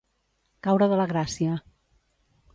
Caure de la gràcia.